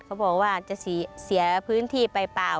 เขาบอกว่าจะเสียพื้นที่ไปเปล่า